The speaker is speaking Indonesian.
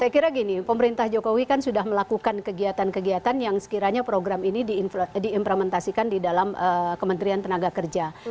saya kira gini pemerintah jokowi kan sudah melakukan kegiatan kegiatan yang sekiranya program ini diimplementasikan di dalam kementerian tenaga kerja